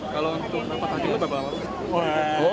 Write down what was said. kalau untuk empat tahun itu berapa